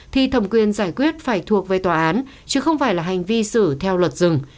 thì thẩm quyền giải quyết phải thuộc về tòa án chứ không phải là hành vi xử theo luật rừng